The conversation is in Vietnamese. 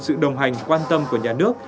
sự đồng hành quan tâm của nhà nước